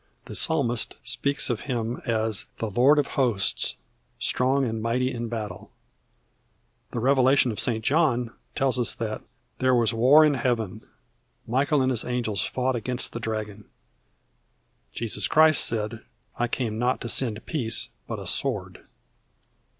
The psalmist speaks of Him as "The Lord of Hosts, strong and mighty in battle." The Revelation of St. John tells us that "There was war in Heaven; Michael and his angels fought against the dragon." Jesus Christ said: "I came not to send peace, but a sword."